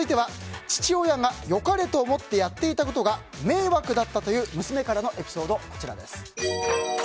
父親が良かれと思ってやっていたことが迷惑だったという娘からのエピソードです。